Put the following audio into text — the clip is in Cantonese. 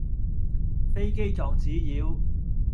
飛機撞紙鳶